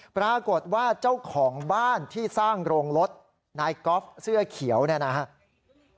ปรากฏว่าเจ้าของบ้านที่สร้างโรงรถนายกอล์ฟเสื้อเขียวเนี่ยนะครับ